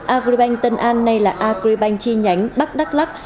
agribank tân an nay là agribank chi nhánh bắc đắk lắc